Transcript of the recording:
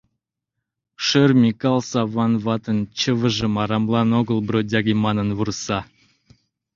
Шӧр Микал Саван ватын чывыжым арамлан огыл бродяге манын вурса.